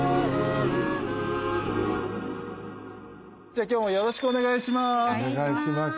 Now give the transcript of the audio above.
じゃあ今日もよろしくお願いします。